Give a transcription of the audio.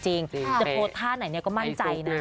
จะโพสต์ท่าไหนก็มั่นใจนะ